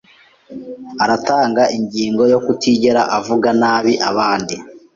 Aratanga ingingo yo kutigera avuga nabi abandi.